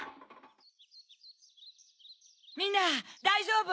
みんなだいじょうぶ？